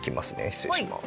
失礼します。